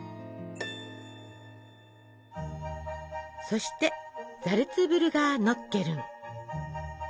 そしてザルツブルガーノッケルン！